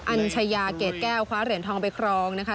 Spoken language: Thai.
ัญชายาเกรดแก้วคว้าเหรียญทองไปครองนะคะ